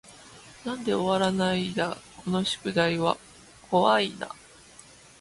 なんで終わらないだこの宿題は怖い y な